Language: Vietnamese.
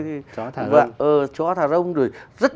chó thả rông ừ chó thả rông rồi